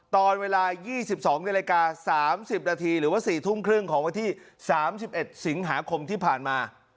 ตอนเวลา๒๒๓๐หรือว่า๔๓๐ของวันที่๓๑สิงหาคมที่ผ่านมา